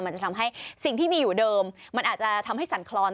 จะทำให้สิ่งที่มีอยู่เดิมมันอาจจะทำให้สั่นคลอน